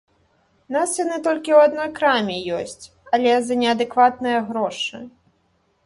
У нас яны толькі ў адной краме ёсць, але за неадэкватныя грошы.